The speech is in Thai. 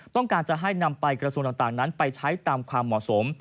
ต้องการจะให้นำไปกระทรวงต่างนั้นไปใช้ตามความเหมาะสม